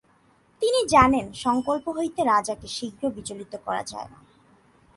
তিনি জানেন, সংকল্প হইতে রাজাকে শীঘ্র বিচলিত করা যায় না।